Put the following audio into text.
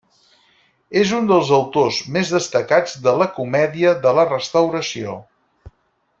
És un dels autors més destacats de la comèdia de la Restauració.